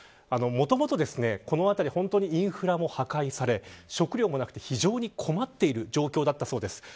もともと、この辺りインフラも破壊され食料もなくて非常に困っている状況だったそうです。